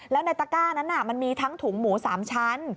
แล้วในตะก้านั้นมันมีทั้งถุงหมู๓ชั้น